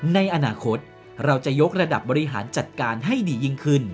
ในอนาคตเราจะยกระดับบริหารจัดการให้ดียิ่งขึ้น